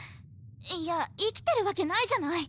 いや生きてるわけないじゃない！